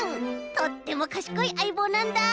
とってもかしこいあいぼうなんだ。